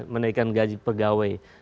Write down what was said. menaikan gaji pegawai